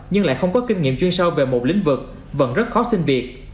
nhưng lại không có kinh nghiệm chuyên sâu về một lĩnh vực vẫn rất khó xin việc